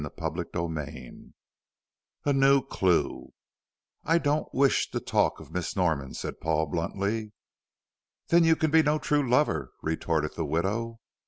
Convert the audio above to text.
CHAPTER XV A NEW CLUE "I don't wish to talk of Miss Norman," said Paul, bluntly. "Then you can be no true lover," retorted the widow.